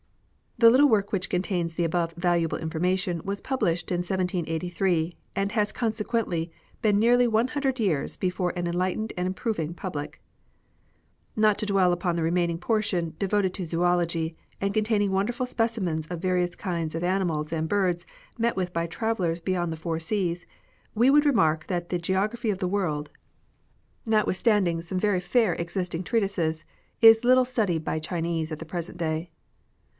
The little work which contains the above valuable information was published in 1783, and has conse quently been nearly one hundred years before an en lightened and approving public. Not to dwell upon the remaining portion, devoted to Zoology, and containing wonderful specimens of various kinds of animals and birds met with by travellers beyond the Four Seas, we would remark that the geography of the world, notwithstanding EDUCATIONAL LITERATURE. 29 some very fair existing treatises, is little studied by Chinese at the present day.